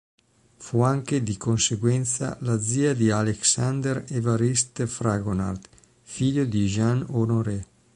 Fu anche, di conseguenza, la zia di Alexandre-Évariste Fragonard, figlio di Jean Honoré.